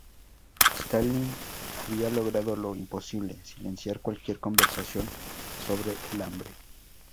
Stalin ""había logrado lo imposible: silenciar cualquier conversación sobre el hambre...